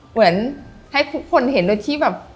เหมือนให้ทุกคนเห็นโดยที่แบบ